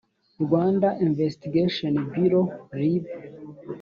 rwanda investigation bureau rib